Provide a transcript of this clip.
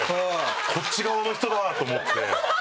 こっち側の人だ！と思って。